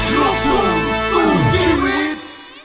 ลูกคุมสู่ชีวิต